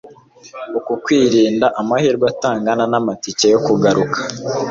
uku kwirinda a mahirwe atangana nta matike yo kugaruka